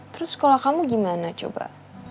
terus sekolah kamu gimana coba